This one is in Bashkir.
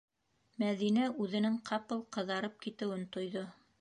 Мәҙинә үҙенең ҡапыл ҡыҙарып китеүен тойҙо: